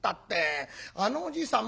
あのおじいさん